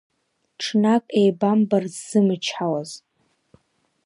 Ҽнак еибамбар ззымчҳауаз.